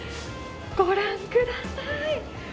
ご覧ください。